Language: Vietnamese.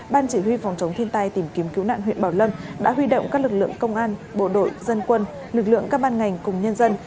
ban chỉ huy phòng chống thiên tai tìm kiếm cứu nạn huyện bảo lâm đã huy động các lực lượng công an bộ đội dân quân lực lượng các ban ngành cùng nhân dân